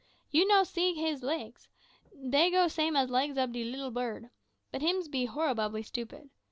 You no can see him's legs; dey go same as legs ob leetle bird. But hims be horrobably stupid.